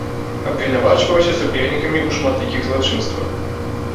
Абвінавачваўся супернікамі ў шматлікіх злачынствах.